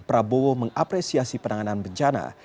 prabowo mengapresiasi penanganan bencana